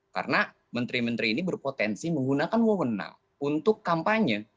karena menteri menteri ini berpotensi menggunakan wewenang untuk kampanye